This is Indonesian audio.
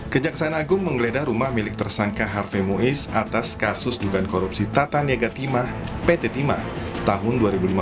kejaksaan agung menggeledah rumah milik tersangka harvey mois atas kasus dugaan korupsi tata negatimah pt timah tahun dua ribu lima belas dua ribu dua puluh dua